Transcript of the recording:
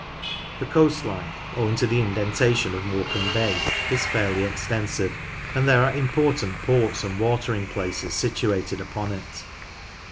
The coast line, owing to the indentation of Morecambe Bay, is fairly extensive, and there are important ports and watering places situated upon it.